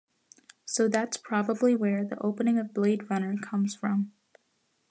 So that's probably where the opening of "Blade Runner" comes from.